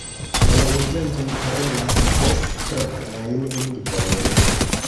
La loĝantoj parolas ses proprajn lingvojn.